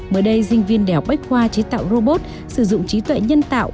mới đây dinh viên đèo bách khoa chế tạo robot sử dụng trí tuệ nhân tạo